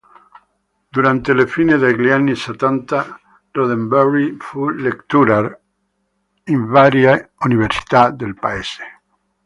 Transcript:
Durante la fine degli anni settanta, Roddenberry fu "lecturer" in varie università del paese.